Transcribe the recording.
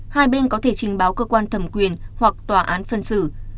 hai bên có thể trình báo cơ quan thẩm quyền hoặc tòa án phân xử